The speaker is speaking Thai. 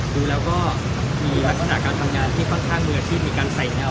ดูแล้วก็มีลักษณะการทำงานที่ค่อนข้างมืออาชีพมีการใส่แวว